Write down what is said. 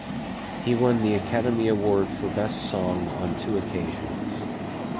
He won the Academy Award for Best Song on two occasions.